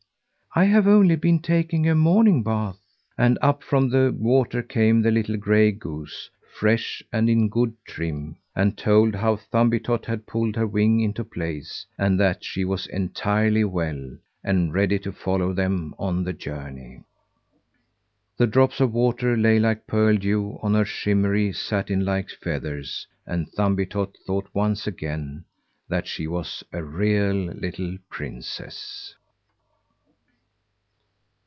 I have only been taking a morning bath." And up from the water came the little gray goose fresh and in good trim and told how Thumbietot had pulled her wing into place, and that she was entirely well, and ready to follow them on the journey. The drops of water lay like pearl dew on her shimmery satin like feathers, and Thumbietot thought once again that she was a real little princess.